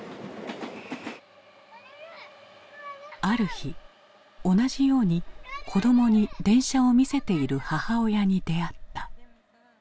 ある日同じように子どもに電車を見せている母親に出会った。